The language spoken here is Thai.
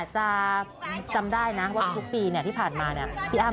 โถ่ทุกปีที่ผ่านมาเนี่ย